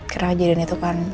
kira aja dan itu kan